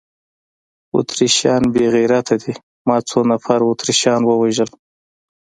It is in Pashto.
اتریشیان بې غیرته دي، ما څو نفره اتریشیان ووژل؟